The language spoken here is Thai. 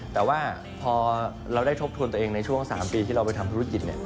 แต่ว่าพอเราได้ทบทวนตัวเองในช่วง๓ปีที่เราไปทำธุรกิจ